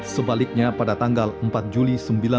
sebaliknya pada tanggal empat juli seribu sembilan ratus enam puluh